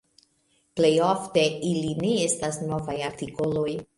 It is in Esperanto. Plej ofte ili ne estas novaj artikoloj.